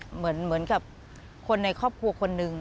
เหมือนกับคนในครอบครัวคนนึง